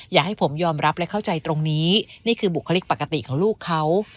อย่าให้ผมยอมรับและเข้าใจตรงนี้นี่คือบุคลิกปกติของลูกเขา